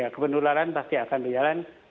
kebenularan pasti akan berjalan